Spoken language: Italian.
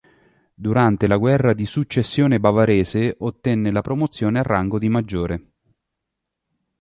Durante la Guerra di Successione bavarese, ottenne la promozione al rango di maggiore.